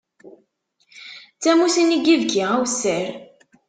D tamusni n yibki awessar.